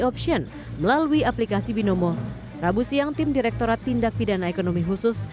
option melalui aplikasi binomo rabu siang tim direktorat tindak pidana ekonomi khusus